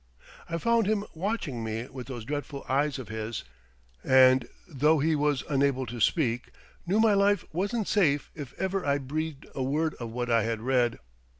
I found him watching me with those dreadful eyes of his, and though he was unable to speak, knew my life wasn't safe if ever I breathed a word of what I had read.